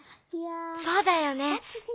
そうだよね。